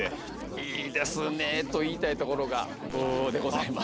いいですね！と言いたいところがブーでございます。